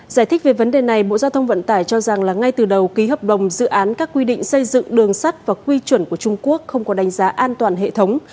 giải thích về vấn đề này bộ giao thông vận tải cho rằng là ngay từ đầu ký hợp đồng dự án các quy định xây dựng đường sắt và quy chuẩn của trung quốc không có đánh giá an toàn hệ thống